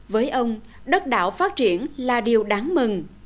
với ông đất đảo phát triển là điều đáng mừng